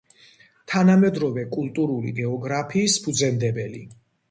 თანამედროვე კულტურული გეოგრაფიის ფუძემდებელი.